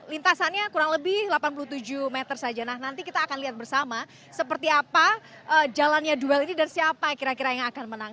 lintasannya kurang lebih delapan puluh tujuh meter saja nah nanti kita akan lihat bersama seperti apa jalannya duel ini dan siapa kira kira yang akan menang